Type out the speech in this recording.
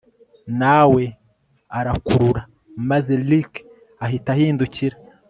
nawe arakurura maze Rick ahita ahindukira